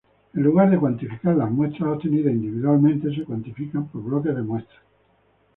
En lugar de cuantificar las muestras obtenidas individualmente, se cuantifica por bloques de muestras.